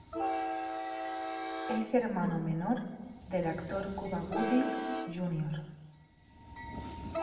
Es hermano menor del actor Cuba Gooding, Jr.